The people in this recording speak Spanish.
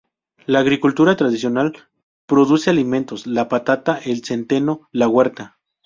La agricultura tradicional produce alimentos: la patata, el centeno, la huerta.